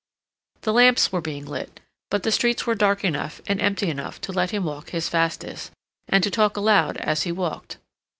The lamps were being lit, but the streets were dark enough and empty enough to let him walk his fastest, and to talk aloud as he walked.